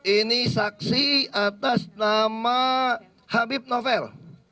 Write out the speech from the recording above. ini saksi atas nama habib novel